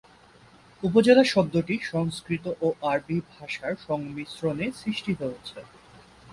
উপজেলা শব্দটি সংস্কৃত ও আরবি ভাষার সংমিশ্রণে সৃষ্টি হয়েছে।